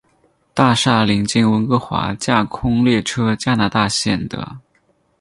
大厦邻近温哥华架空列车加拿大线的。